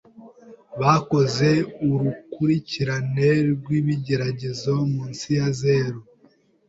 Bakoze urukurikirane rw'ibigeragezo munsi ya zeru.